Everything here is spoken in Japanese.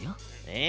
え？